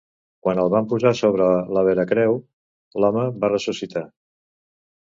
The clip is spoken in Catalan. Quan el van posar sobre la Veracreu l'home va ressuscitar.